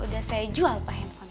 udah saya jual pak handphone